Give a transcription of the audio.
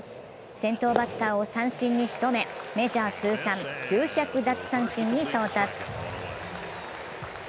先頭バッターを三振に仕留めメジャー通算９００奪三振に到達。